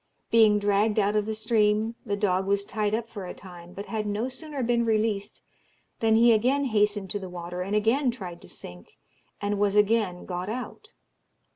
Being dragged out of the stream, the dog was tied up for a time, but had no sooner been released than he again hastened to the water and again tried to sink, and was again got out.